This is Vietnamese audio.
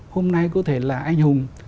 hôm nay có thể là anh hùng